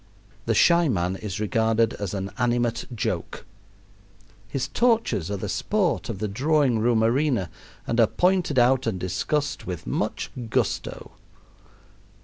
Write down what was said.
The shy man is regarded as an animate joke. His tortures are the sport of the drawing room arena and are pointed out and discussed with much gusto.